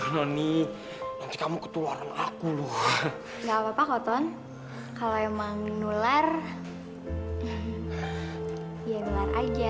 nanti kamu ketularan aku lu enggak apa apa koton kalau emang nular ya luar aja